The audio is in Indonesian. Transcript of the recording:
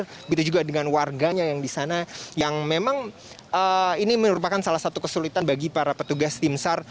begitu juga dengan warganya yang di sana yang memang ini merupakan salah satu kesulitan bagi para petugas tim sar